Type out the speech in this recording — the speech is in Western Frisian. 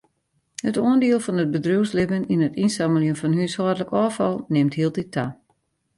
It oandiel fan it bedriuwslibben yn it ynsammeljen fan húshâldlik ôffal nimt hieltyd ta.